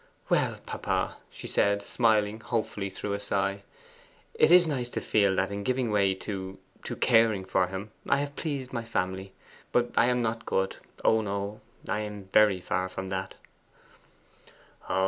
'Well, papa,' she said, smiling hopefully through a sigh, 'it is nice to feel that in giving way to to caring for him, I have pleased my family. But I am not good; oh no, I am very far from that!